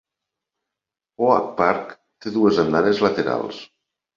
Oak Park té dues andanes laterals.